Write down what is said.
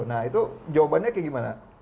nah itu jawabannya kayak gimana